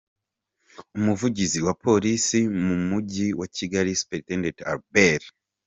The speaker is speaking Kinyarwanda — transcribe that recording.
Umuvugizi wa Polisi mu mujyi wa Kigali Supt Albert N.